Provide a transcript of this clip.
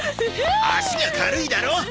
足が軽いだろ！